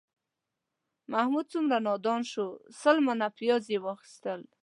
محمود څومره نادان شو، سل منه پیاز یې واخیستل